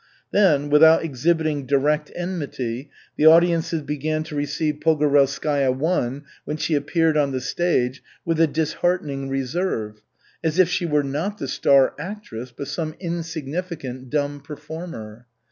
Then, without exhibiting direct enmity, the audiences began to receive Pogorelskaya I, when she appeared on the stage, with a disheartening reserve, as if she were not the star actress, but some insignificant dumb performer.